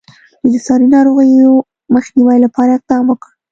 دوی د ساري ناروغیو مخنیوي لپاره اقدام وکړ.